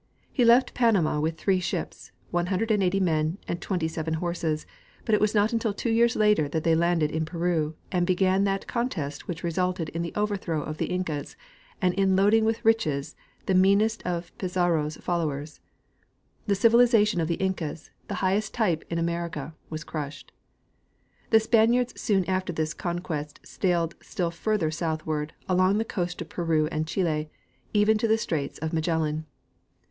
ITe left Panama with three ships, ISO men and 27 horses, but it was not until two years later that the}^ landed in Peru and began that contest which resulted in the overthrow of the Incas and in loading witli riches the meanest of Pizarro's fol lowers. The civilization of the Incas, the highest type in America, was crushed. The Spaniards soon after this conquest sailed still further sout^iward, along the coast of Peru and Chili, even to the straits of Magellan.